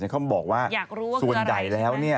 เขาบอกว่าส่วนใหญ่แล้วเนี่ย